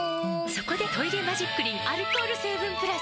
そこで「トイレマジックリン」アルコール成分プラス！